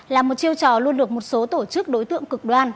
là một chiêu trò luôn được một số tổ chức đối tượng cực đoan